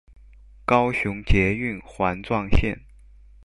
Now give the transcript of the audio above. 高雄捷運環狀線